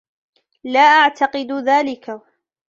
لا أعتقد ذلك.